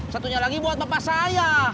satunya lagi buat bapak saya